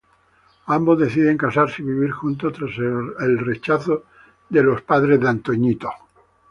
Ambos deciden casarse y vivir juntos, tras el rechazo de los padres de Irving.